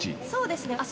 そうですね。